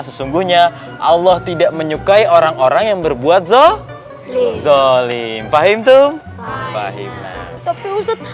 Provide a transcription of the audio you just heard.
sesungguhnya allah tidak menyukai orang orang yang berbuat zolim pahit tuh pahit tapi usut